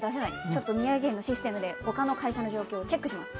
ちょっと宮城県のシステムで他の会社の状況をチェックします。